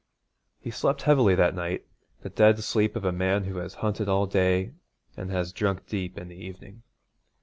He slept heavily that night, the dead sleep of a man who has hunted all day and has drunk deep in the evening.